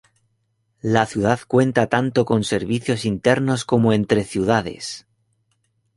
La ciudad cuenta tanto con servicios internos como entre ciudades.